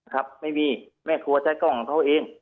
ครับไม่มีแม่ครัวใช้กล้องของเขาเอง